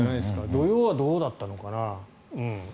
土曜日はどうだったのかな。